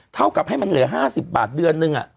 เท่ากับให้มันเหลือ๕๐บาทเดือนนึง